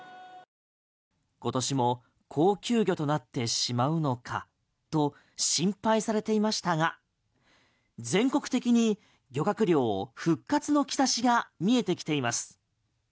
今年も高級魚となってしまうのかと心配されていましたが全国的に漁獲量復活の兆しが見えてきています。